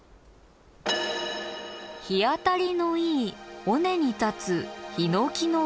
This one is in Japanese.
日当たりのいい尾根に立つヒノキの巨木。